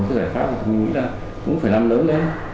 cái giải pháp của quốc hội đó cũng phải làm lớn lên